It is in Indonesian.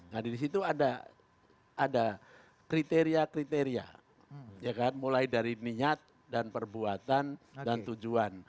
nah di situ ada kriteria kriteria ya kan mulai dari niat dan perbuatan dan tujuan